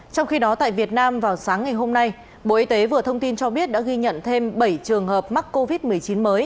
trong khi đó tại việt nam vào sáng ngày hôm nay bộ y tế vừa thông tin cho biết đã ghi nhận thêm bảy trường hợp mắc covid một mươi chín mới